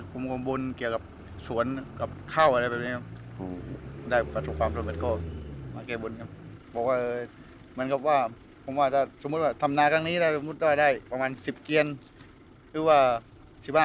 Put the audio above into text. จากการค่าขายอะไรอย่างนี้ค่ะเดือนหนึ่งก็๒๓๐๐๐๐บาทพอได้หลักเศษคือได้ค่ะ